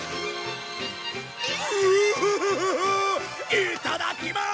いただきまーす！